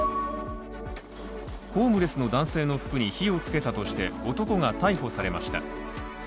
ホームレスの男性の服に火をつけたとして男が逮捕されました。